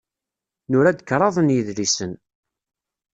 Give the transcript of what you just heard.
Nura-d kraḍ n yidlisen.